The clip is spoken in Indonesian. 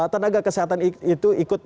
tenaga kesehatan itu ikut